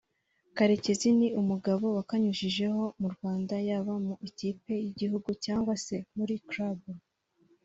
Karekezi ni umugabo wakanyujijeho mu Rwanda yaba mu ikipe y’Igihugu cyangwa se muri Club